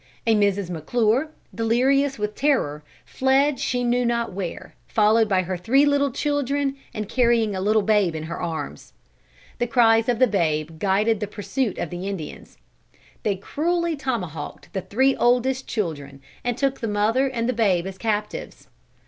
A Mrs. McClure, delirious with terror, fled she knew not where, followed by her three little children and carrying a little babe in her arms. The cries of the babe guided the pursuit of the Indians. They cruelly tomahawked the three oldest children, and took the mother and the babe as captives.